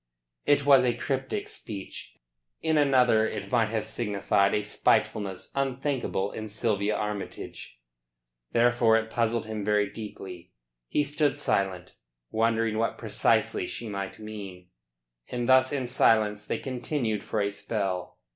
It was a cryptic speech. In another it might have signified a spitefulness unthinkable in Sylvia Armytage; therefore it puzzled him very deeply. He stood silent, wondering what precisely she might mean, and thus in silence they continued for a spell.